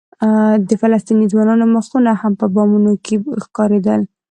د فلسطیني ځوانانو مخونه هم په بامونو کې ښکارېدل.